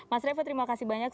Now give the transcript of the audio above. mas revo terima kasih banyak